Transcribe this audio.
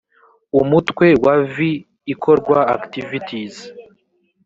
umutwe wa vi ikorwa activites